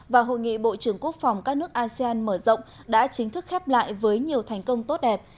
và hội nghị bộ trưởng quốc phòng các nước asean mở rộng đã chính thức khép lại với nhiều thành công tốt đẹp